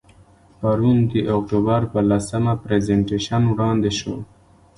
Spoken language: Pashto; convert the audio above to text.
پرون د اکتوبر په لسمه، پرزنټیشن وړاندې شو.